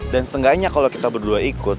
dan setidaknya kalau kita berdua ikut